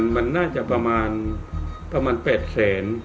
ยอดภูริจากที่เข้ามาเนี่ยน่าจะประมาณ๘เสน